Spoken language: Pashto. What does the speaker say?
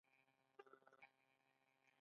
عکس العمل ښکاره نه کړي.